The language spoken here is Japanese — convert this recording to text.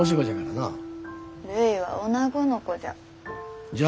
るいはおなごの子じゃ。